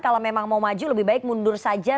kalau memang mau maju lebih baik mundur saja